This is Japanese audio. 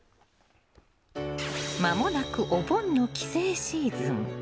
まもなくお盆の帰省シーズン。